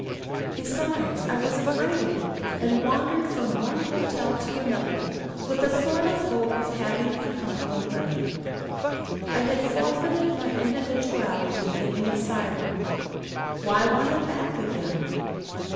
Besides, I was afraid; and wandered from one hotel to another with a sort of hope of having become nobody. I had forfeited my individuality in the asylum; why want it back again?